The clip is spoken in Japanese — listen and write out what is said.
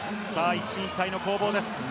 一進一退の攻防です。